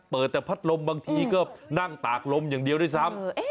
เปิดแต่พัดลมบางทีก็นั่งตากลมอย่างเดียวด้วยซ้ำ